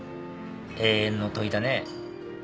永遠の問いだね。